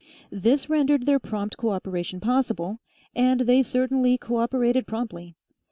This rendered their prompt co operation possible, and they certainly co operated promptly.